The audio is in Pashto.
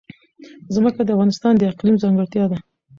ځمکه د افغانستان د اقلیم ځانګړتیا ده.